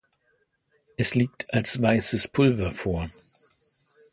Es liegt als weißes Pulver vor.